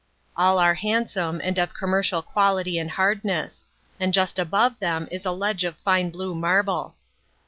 All are handsome and of commercial quality and hardness; and just above them is a ledge of fine blue marble.